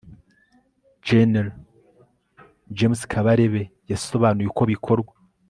Gen James Kabarebe yasobanuye uko bikorwa